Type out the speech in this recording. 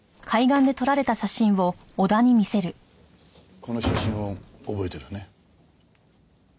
この写真を覚えてるよね？